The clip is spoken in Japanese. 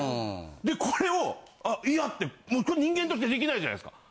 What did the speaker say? でこれをあいやって人間として出来ないじゃないですか。